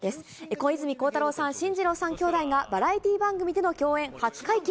小泉孝太郎さん、進次郎さん兄弟がバラエティー番組での共演初解禁。